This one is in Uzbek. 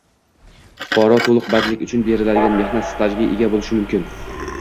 fuqaro to‘liq bandlik uchun beriladigan mehnat stajiga ega bo‘lishi mumkin.